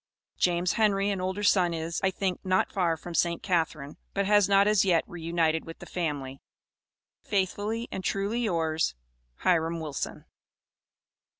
James Henry, an older son is, I think, not far from St. Catharine, but has not as yet reunited with the family. Faithfully and truly yours, HIRAM WILSON.